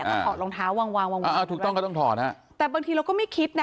ถอดรองเท้าวางวางวางวางอ่าถูกต้องก็ต้องถอดฮะแต่บางทีเราก็ไม่คิดนะ